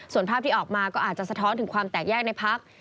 ส่วนภาพที่ออกมาก็อาจจะสะท้อนถึงความแตกแยกในพัก